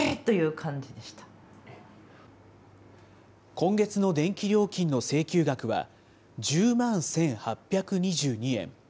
今月の電気料金の請求額は、１０万１８２２円。